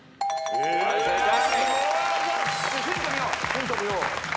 ヒント見よう。